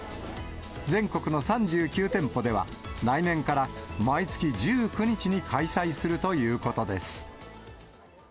全国の３９店舗では、来年から毎月１９日に開催するということです。